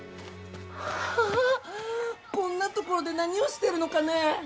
ああっこんな所で何をしてるのかね？